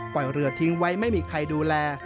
เรือทิ้งไว้ไม่มีใครดูแล